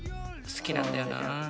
好きなんだよなあ。